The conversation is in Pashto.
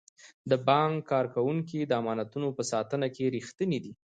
د بانک کارکوونکي د امانتونو په ساتنه کې ریښتیني دي.